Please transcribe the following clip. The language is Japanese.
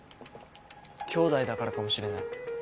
兄弟だからかもしれない。